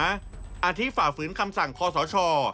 อาทิตฝ่าฝืนคำสั่งคอสช